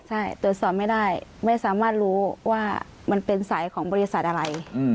ใช่ตรวจสอบไม่ได้ไม่สามารถรู้ว่ามันเป็นสายของบริษัทอะไร